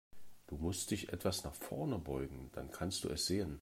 Du musst dich etwas nach vorn beugen, dann kannst du es sehen.